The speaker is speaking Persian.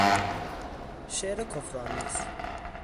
شعر کفرآمیز